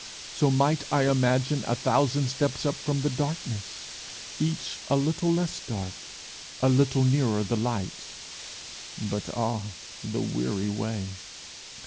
So might I imagine a thousand steps up from the darkness, each a little less dark, a little nearer the light but, ah, the weary way!